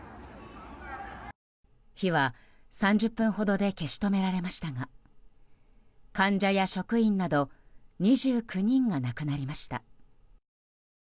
火は３０分ほどで消し止められましたが患者や職員など２９人が亡くなりました。